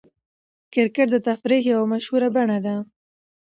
کرکټ د تفریح یوه مشهوره بڼه ده.